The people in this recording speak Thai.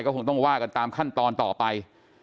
คงต้องว่ากันตามขั้นตอนต่อไป